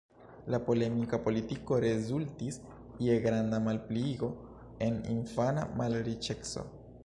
La polemika politiko rezultis je granda malpliigo en infana malriĉeco.